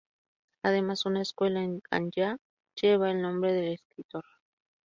Además, una escuela en Ganyá lleva el nombre del escritor.